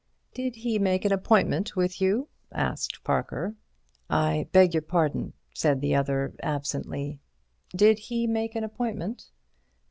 "Did he make an appointment with you?" asked Parker. "I beg your pardon," said the other, absently. "Did he make an appointment?"